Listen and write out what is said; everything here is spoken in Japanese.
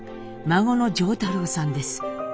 孫の譲太郎さんです。